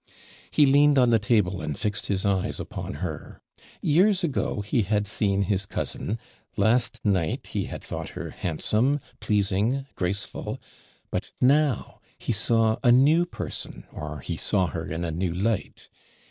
He leaned on the table, and fixed his eyes upon her years ago, he had seen his cousin last night, he had thought her handsome, pleasing, graceful but now, he saw a new person, or he saw her in a new light.